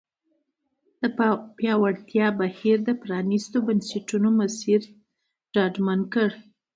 د پیاوړتیا بهیر د پرانیستو بنسټونو مسیر ډاډمن کړ.